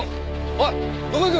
おいどこ行く！？